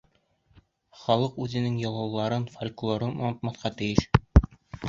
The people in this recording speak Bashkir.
Халыҡ үҙенең йолаларын, фольклорын онотмаҫҡа тейеш.